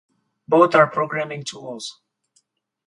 Both are programming tools.